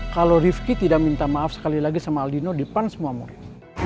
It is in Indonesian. kalau rifki tidak minta maaf sekali lagi sama aldino di pan semua murid